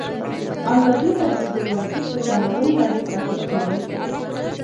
ازادي راډیو د ورزش د تحول لړۍ تعقیب کړې.